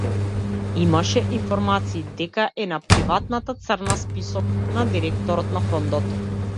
Имаше информации дека е на приватната црна список на директорот на фондот.